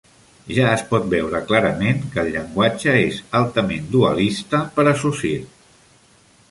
Ja es pot veure clarament que el llenguatge és altament dualista per a Saussure.